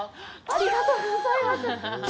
ありがとうございます。